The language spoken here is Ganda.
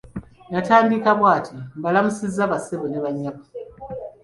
Yatandika bw'ati:"mbalamusiza bassebo ne banyabo"